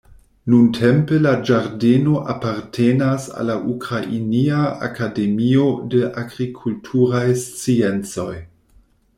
Nuntempe la ĝardeno apartenas al la Ukrainia Akademio de Agrikulturaj Sciencoj.